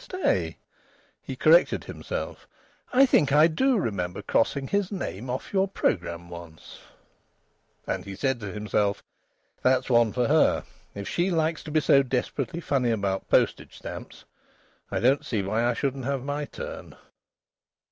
Stay," he corrected himself, "I think I do remember crossing his name off your programme once." And he said to himself: "That's one for her. If she likes to be so desperately funny about postage stamps, I don't see why I shouldn't have my turn."